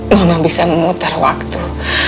mama bisa memutar waktu